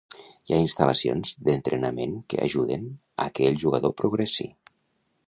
Hi ha instal·lacions d'entrenament que ajuden a que el jugador progressi.